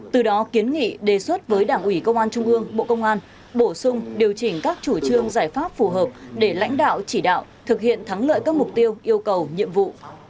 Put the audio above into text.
từ đó kiến nghị đề xuất với đảng ủy công an trung ương bộ công an bổ sung điều chỉnh các chủ trương giải pháp phù hợp để lãnh đạo chỉ đạo thực hiện thắng lợi các mục tiêu yêu cầu nhiệm vụ